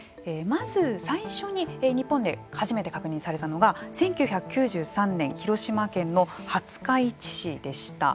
まず最初に日本で初めて確認されたのが１９９３年広島県の廿日市市でした。